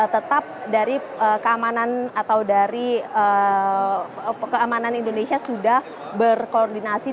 tetap dari keamanan atau dari keamanan indonesia sudah berkoordinasi